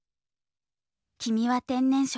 「君は天然色」。